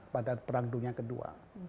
pada perang dunia kedua